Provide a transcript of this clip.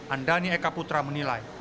andani eka putra menilai